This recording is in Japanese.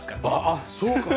あっそうか。